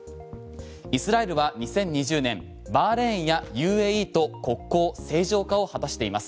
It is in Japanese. イスラエルは２０２０年バーレーンやＵＡＥと国交正常化を果たしています。